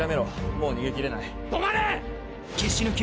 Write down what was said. もう逃げ切れない止まれ！